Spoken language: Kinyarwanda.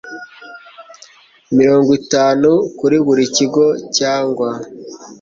mirongo itanu kuri buri kigo cyangwa